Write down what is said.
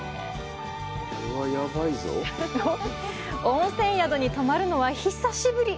温泉宿に泊まるのは久しぶり。